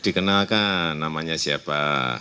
dikenalkan namanya siapa